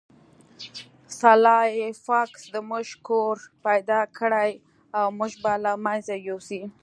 سلای فاکس زموږ کور پیدا کړی او موږ به له منځه یوسي